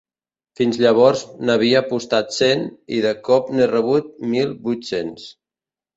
Fins llavors n'havia apostat cent i de cop n'he rebut mil vuit-cents.